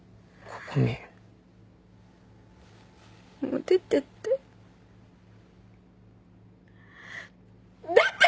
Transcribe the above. もう出てって。